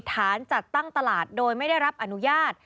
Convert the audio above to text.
จัดตั้งตลาดโดยไม่ได้รับอนุญาต